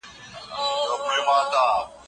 صبر د هرې ستونزې کلي ده.